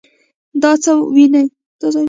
دا ځای وينې؟